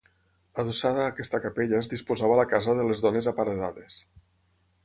Adossada a aquesta capella es disposava la casa de les dones aparedades.